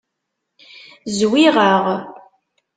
Zwiɣeɣ.